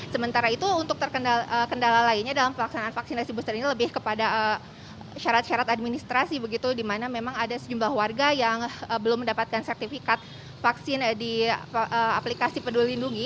sementara itu untuk terkendala lainnya dalam pelaksanaan vaksinasi booster ini lebih kepada syarat syarat administrasi begitu di mana memang ada sejumlah warga yang belum mendapatkan sertifikat vaksin di aplikasi peduli lindungi